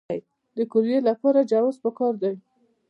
د قوریې لپاره جواز پکار دی؟